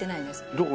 どこ？